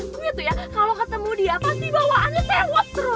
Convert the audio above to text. gue tuh ya kalo ketemu dia pasti bawaannya tewet terus